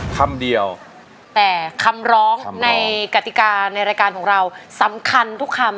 คำเดียวแต่คำร้องในกติกาในรายการของเราสำคัญทุกคำ